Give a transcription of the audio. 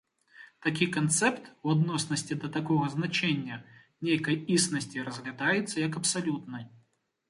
Такі канцэпт, у адноснасці да такога значэння, нейкай існасці, разглядаецца як абсалютны.